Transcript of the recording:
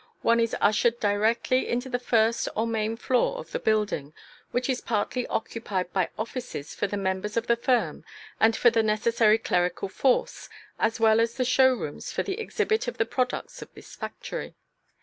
one is ushered directly into the first or main floor of the building, which is partly occupied by offices for the members of the firm and for the necessary clerical force, as well as the show rooms for the exhibit of the products of this factory.